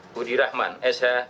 budi rahman sh